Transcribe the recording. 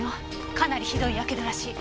かなりひどいやけどらしい。